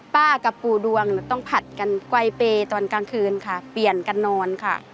กับปู่ดวงต้องผัดกันไกลเปย์ตอนกลางคืนค่ะเปลี่ยนกันนอนค่ะ